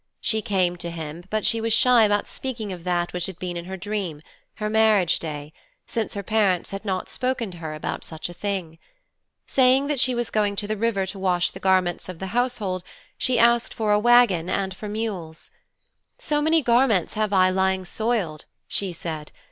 She came to him, but she was shy about speaking of that which had been in her dream her marriage day since her parents had not spoken to her about such a thing. Saying that she was going to the river to wash the garments of the household, she asked for a wagon and for mules. 'So many garments have I lying soiled,' she said.